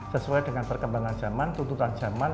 sesuai dengan perkembangan zaman tuntutan zaman